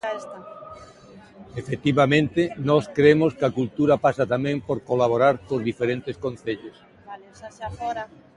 Efectivamente, nós cremos que a cultura pasa tamén por colaborar cos diferentes concellos.